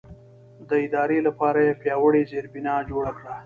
د ادارې لپاره یې پیاوړې زېربنا جوړه کړه.